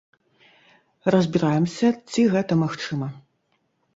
Разбіраемся, ці гэта магчыма?